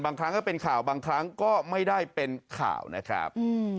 ครั้งก็เป็นข่าวบางครั้งก็ไม่ได้เป็นข่าวนะครับ